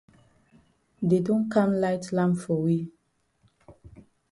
Dey don kam light lamp for we.